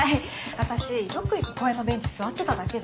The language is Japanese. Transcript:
私よく行く公園のベンチ座ってただけで。